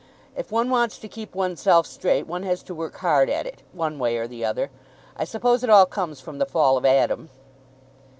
If one wants to keep one's self straight, one has to work hard at it, one way or the other. I suppose it all comes from the fall of Adam."